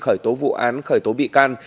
khởi tố vụ án khởi tố bị can